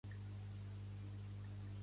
Pertany al moviment independentista la Vero?